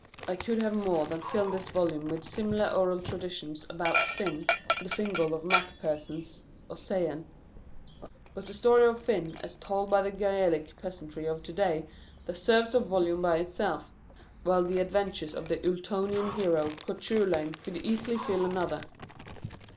I could have more than filled this volume with similar oral traditions about Finn (the Fingal of Macpherson's "Ossian"). But the story of Finn, as told by the Gaelic peasantry of to day, deserves a volume by itself, while the adventures of the Ultonian hero, Cuchulain, could easily fill another.